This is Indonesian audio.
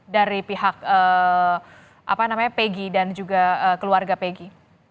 dari pihak pegi dan juga keluarga pegi